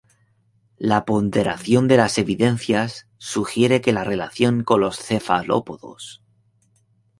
La ponderación de las evidencias sugiere que la relación con los cefalópodos.